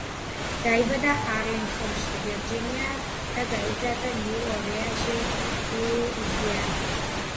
დაიბადა არლინგტონში, ვირჯინია და გაიზარდა ნიუ ორლეანში, ლუიზიანა.